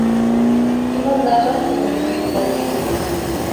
Ӱмырнажат кеҥеж йӱд гай кӱчык.